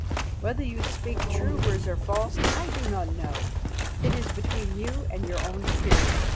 Whether you speak true words or false, I do not know; it is between you and your own spirit.